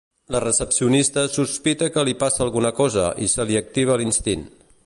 La recepcionista sospita que li passa alguna cosa i se li activa l'instint.